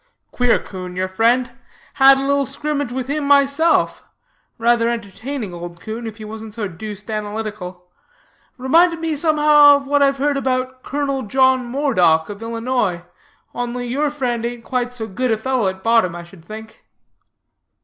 "Queer 'coon, your friend. Had a little skrimmage with him myself. Rather entertaining old 'coon, if he wasn't so deuced analytical. Reminded me somehow of what I've heard about Colonel John Moredock, of Illinois, only your friend ain't quite so good a fellow at bottom, I should think."